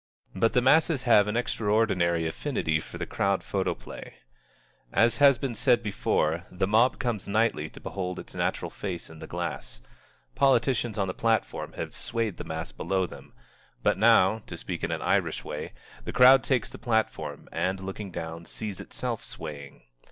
But the masses have an extraordinary affinity for the Crowd Photoplay. As has been said before, the mob comes nightly to behold its natural face in the glass. Politicians on the platform have swayed the mass below them. But now, to speak in an Irish way, the crowd takes the platform, and looking down, sees itself swaying.